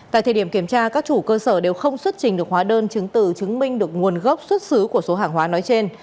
tại thời điểm kiểm tra các chủ cơ sở đều không xuất trình được hóa đơn chứng từ chứng minh được nguồn gốc xuất xứ của số hàng hóa nói trên